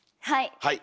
はい。